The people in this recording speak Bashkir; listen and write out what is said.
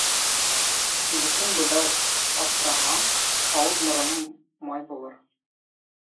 Етем быҙау аҫраһаң, ауыҙ-мороноң май булыр